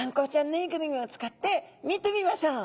ぬいぐるみを使って見てみましょう。